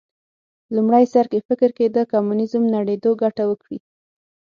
لومړي سر کې فکر کېده کمونیزم نړېدو ګټه وکړي